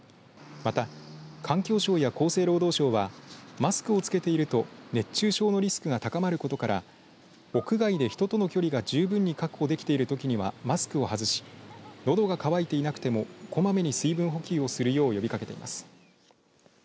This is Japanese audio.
また、環境省や厚生労働省はマスクをつけていると熱中症のリスクが高まることから屋外で人との距離が十分に確保できているときにはマスクを外しのどが乾いていなくてもこまめに水分補給をするよう呼びかけています。